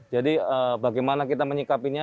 jadi bagaimana kita menyikapinya